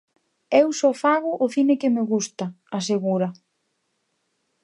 Eu só fago o cine que me gusta, asegura.